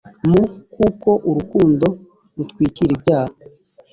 m kuko urukundo rutwikira ibyaha